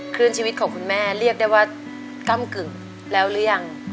ชีวิตของคุณแม่เรียกได้ว่าก้ำกึ่งแล้วหรือยัง